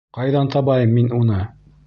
Ҡайҙан табайым мин уны?